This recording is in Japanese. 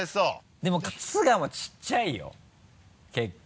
でも春日もちっちゃいよ結構。